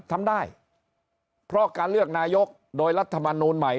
ทำได้เพราะการเลือกนายกโดยรัฐมนูลใหม่